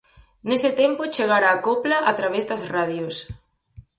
Nese tempo chegara a copla a través das radios.